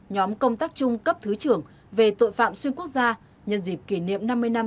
nhóm công tác chung cấp thứ trưởng về tội phạm xuyên quốc gia nhân dịp kỷ niệm năm mươi năm